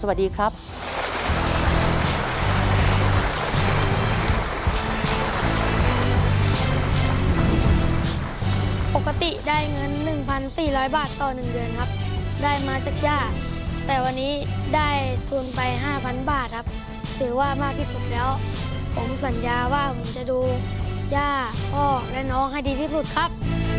ปกติได้เงิน๑๔๐๐บาทต่อ๑เดือนครับได้มาจากย่าแต่วันนี้ได้ทุนไป๕๐๐๐บาทครับถือว่ามากที่สุดแล้วผมสัญญาว่าผมจะดูย่าพ่อและน้องให้ดีที่สุดครับ